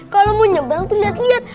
kalo mau nyebrang tuh liat liat